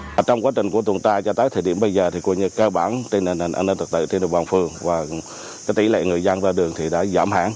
thì trong quá trình của tổ tuần tra cho tới thời điểm bây giờ thì cơ bản tình hình an ninh thực tự tình hình bằng phương và tỷ lệ người dân ra đường thì đã giảm hẳn